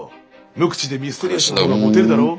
無口でミステリアスな方がモテるだろ。